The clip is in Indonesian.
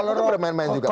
orang bermain tidak apa apa